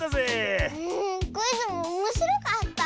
クイズもおもしろかった！